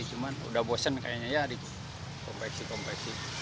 cuman sudah bosan kayaknya ya di kompleksi kompleksi